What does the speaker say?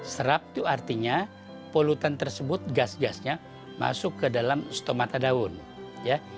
serap itu artinya polutan tersebut gas gasnya masuk ke dalam stomata daun ya